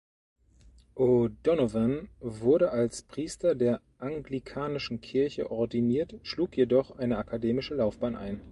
O’Donovan wurde als Priester der anglikanischen Kirche ordiniert, schlug jedoch eine akademische Laufbahn ein.